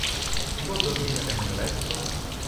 Chi vuol dormire nel mio letto?